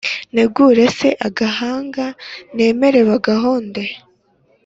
Negure se agahanga Nemere bagahonde